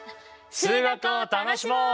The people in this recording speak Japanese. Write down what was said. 数学を楽しもう！